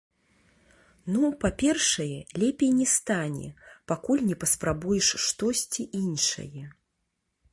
Ну, па-першае, лепей не стане, пакуль не паспрабуеш штосьці іншае.